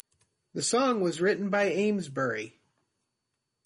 The song was written by Amesbury.